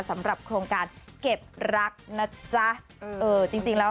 สำหรับโครงการเก็บรักนะจ๊ะเออจริงจริงแล้ว